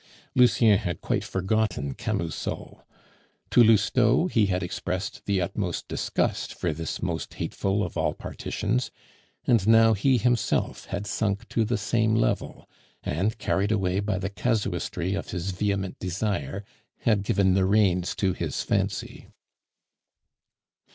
Lucien had quite forgotten Camusot. To Lousteau he had expressed the utmost disgust for this most hateful of all partitions, and now he himself had sunk to the same level, and, carried away by the casuistry of his vehement desire, had given the reins to his fancy.